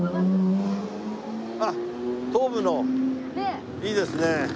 あっ東武のいいですね。